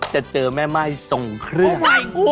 จะเจอแม่ไม้ทรงเครื่อง